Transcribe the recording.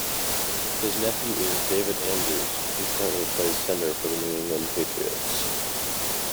His nephew is David Andrews, who currently plays center for the New England Patriots.